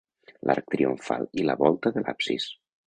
L'arc triomfal i la volta de l'absis.